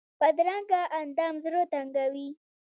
بدرنګه اندام زړه تنګوي